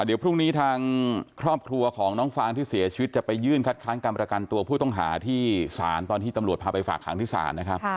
เดี๋ยวพรุ่งนี้ทางครอบครัวของน้องฟางที่เสียชีวิตจะไปยื่นคัดค้างการประกันตัวผู้ต้องหาที่ศาลตอนที่ตำรวจพาไปฝากหางที่ศาลนะครับ